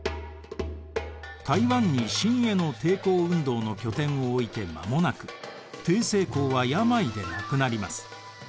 台湾に清への抵抗運動の拠点を置いて間もなく成功は病で亡くなります。